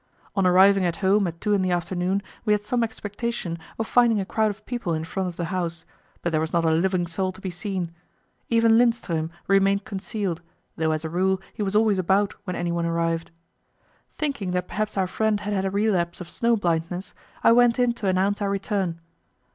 On arriving at home at two in the afternoon we had some expectation of finding a crowd of people in front of the house; but there was not a living soul to be seen. Even Lindström remained concealed, though as a rule he was always about when anyone arrived. Thinking that perhaps our friend had had a relapse of snow blindness, I went in to announce our return.